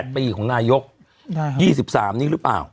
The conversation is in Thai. ๘ปีของนาโยค๒๓นี้รึเปล่า